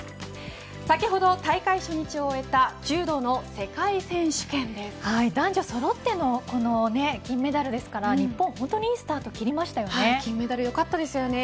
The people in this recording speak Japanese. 先ほど大会初日を終えた柔道の男女そろっての金メダルですから、日本本当にいいスタートを金メダルよかったですよね。